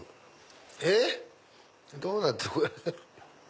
えっ⁉どうなってる？